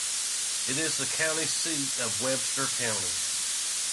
It is the county seat of Webster County.